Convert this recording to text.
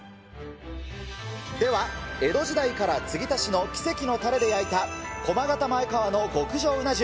では、江戸時代から継ぎ足しの奇跡のたれで焼いた駒形前川の極上うな重。